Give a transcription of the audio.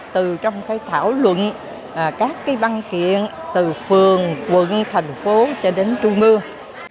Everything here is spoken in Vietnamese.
từ trong cái thảo luận các cái văn kiện từ phường quận thành phố cho đến trung ương